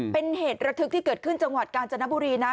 เป็นเหตุระทึกที่เกิดขึ้นจังหวัดกาญจนบุรีนะ